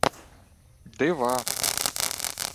— Дива!